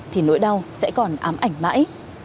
thì nỗi đau sẽ còn ám ảnh mãi